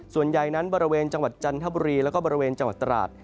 ส่วนใหญ่นั้นบริเวณจังหวัดจันทบุรีแล้วก็บริเวณจังหวัดตราด